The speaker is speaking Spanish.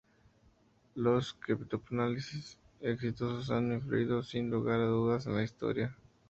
Los criptoanálisis exitosos han influido sin lugar a dudas en la Historia.